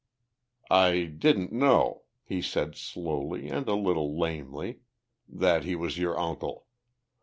"I didn't know," he said slowly and a little lamely, "that he was your uncle.